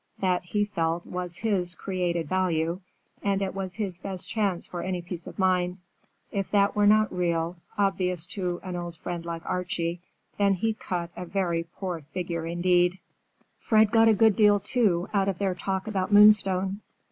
That, he felt, was his "created value," and it was his best chance for any peace of mind. If that were not real, obvious to an old friend like Archie, then he cut a very poor figure, indeed. Fred got a good deal, too, out of their talk about Moonstone.